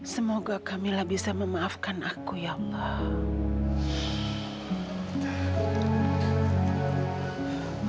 semoga kamila bisa memaafkan aku ya allah